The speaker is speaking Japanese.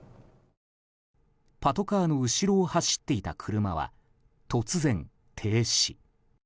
パトカーの後ろを走っていた車は突然、停止。